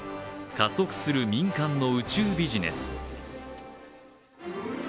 加速する民間の宇宙ビジネス。